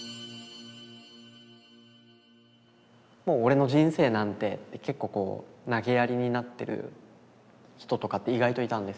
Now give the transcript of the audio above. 「もう俺の人生なんて」って結構こうなげやりになってる人とかって意外といたんですよね。